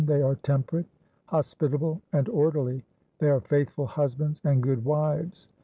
They are temperate, hospitable, and orderly. They are faithful husbands and good wives.